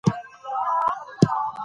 يعني دا به مني چې وجود ئې ضروري نۀ دے